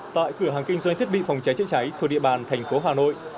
tại cửa hàng kinh doanh thiết bị phòng cháy chữa cháy thuộc địa bàn thành phố hà nội